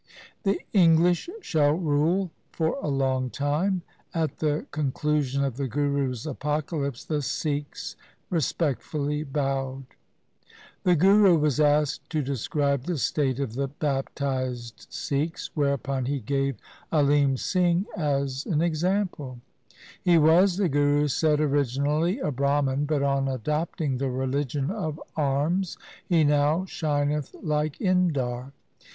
1 The English shall rule for a long time.' 2 At the con clusion of the Guru's apocalypse the Sikhs respect fully bowed. The Guru was asked to describe the. state of the baptized Sikhs, whereupon he gave Alim Singh as an example. ' He was ', the Guru said, ' originally a Brahman, but on adopting the religion of arms he now shineth like Indar.